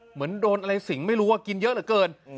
เหมือนโดนอะไรสิงไม่รู้ว่ากินเยอะเหลือเกิน